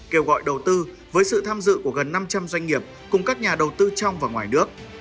kêu gọi đầu tư với sự tham dự của gần năm trăm linh doanh nghiệp cùng các nhà đầu tư trong và ngoài nước